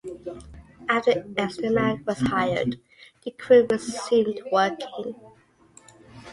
After an extra man was hired, the crew resumed working.